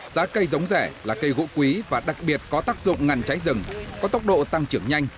giá cây giống rẻ là cây gỗ quý và đặc biệt có tác dụng ngăn cháy rừng có tốc độ tăng trưởng nhanh